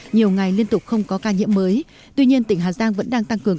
nhiều ngày liên tục không có ca nhiễm mới tuy nhiên tỉnh hà giang vẫn đang tăng cường